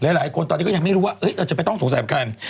หลายคนตอนนี้ก็ยังไม่รู้ว่าเราจะไปต้องสงสัยกับใคร